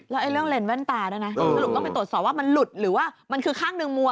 แล้วเรื่องเลนแว่นตาด้วยนะสรุปต้องไปตรวจสอบว่ามันหลุดหรือว่ามันคือข้างหนึ่งมัว